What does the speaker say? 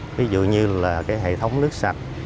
ví dụ như là hệ thống nước sạch